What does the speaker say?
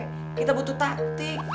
kita butuh taktik